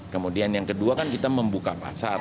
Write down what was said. kemudian yang kedua kan kita membuka pasar